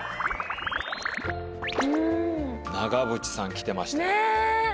長渕さん来てましたよ。ね！